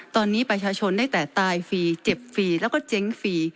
ตอนนี้ประชาชนได้แต่ตายฟรีเจ็บฟรีแล้วก็เจ๊งฟรี